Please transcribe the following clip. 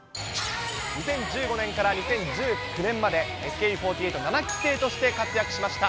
２０１５年から２０１９年まで、ＳＫＥ４８７期生として活躍しました。